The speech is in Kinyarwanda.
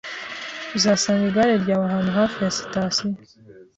Uzasanga igare ryawe ahantu hafi ya sitasiyo